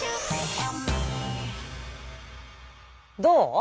どう？